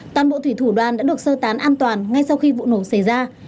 toàn bộ thủy thủ đoàn đã được sơ tán an toàn ngay sau khi vụ nổ xảy ra